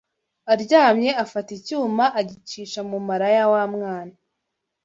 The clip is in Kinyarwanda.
aryamye afata icyuma agicisha mu mara ya wa mwana